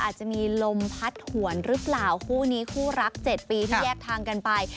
อาจจะมีลมพัดหวนหรือเปล่าคู่นี้คู่รัก๗ปีที่แยกทางกันไป